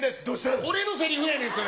俺のセリフやねん、それ。